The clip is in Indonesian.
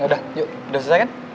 udah yuk udah selesai kan